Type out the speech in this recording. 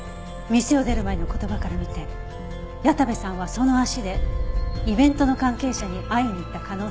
店を出る前の言葉から見て矢田部さんはその足でイベントの関係者に会いに行った可能性が高いはず。